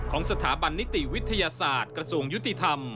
ของสถาบันนิติวิทยาศาสตร์กระทรวงยุติธรรม